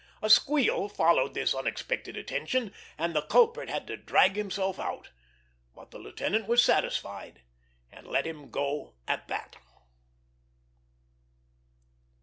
A squeal followed this unexpected attention, and the culprit had to drag himself out; but the lieutenant was satisfied, and let him go at that.